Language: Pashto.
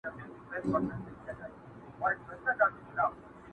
کيسه د فکر سبب ګرځي تل،